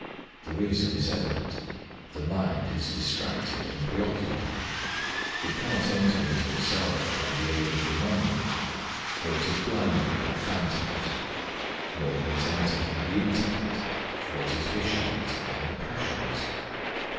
The reason is evident the mind is distracted and preoccupied ; it can not enter into itself by the aid of the memory, for it is blinded by phantoms ; nor can it enter by the intellect, for it is vitiated by the passions.